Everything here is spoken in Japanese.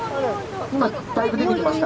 ・今だいぶ出てきました。